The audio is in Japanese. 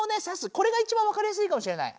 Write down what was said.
これがいちばん分かりやすいかもしれない。